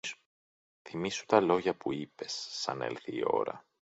Θυμήσου τα λόγια που είπες, σαν έλθει η ώρα